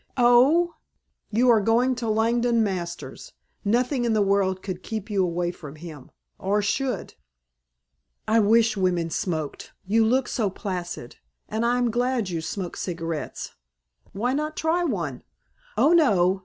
"Oh?" "You are going to Langdon Masters. Nothing in the world could keep you away from him or should." "I wish women smoked. You look so placid. And I am glad you smoke cigarettes." "Why not try one?" "Oh, no!"